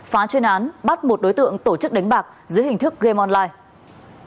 phá chuyên án bắt một đối tượng tổ chức đánh bạc dưới hình thức game online